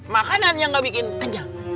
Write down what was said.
makanan yang gak bikin kenyang